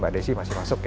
mbak desi masih masuk ya